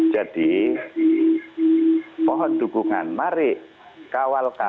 jadi pohon dukungan mari kawal kami